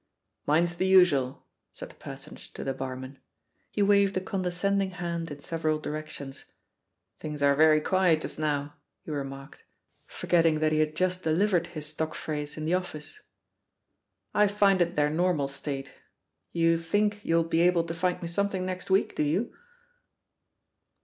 '3Iine's the usual," said the personage to the barman. He waved a condescending hand in several directions. "Things are very quiet just now," he remarked, forgetting that he had just delivered his stock phrase in the ofiice. 24 gPBDE POSITION OF PEGGY HARPER "I find it their normal state. You *think you'll be able to find me something next week/ do you?"